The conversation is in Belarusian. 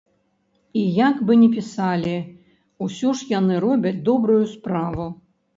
І як бы не пісалі, усё ж яны робяць добрую справу.